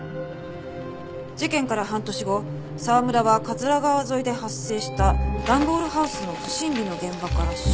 事件から半年後沢村は桂川沿いで発生した段ボールハウスの不審火の現場から焼死体で発見。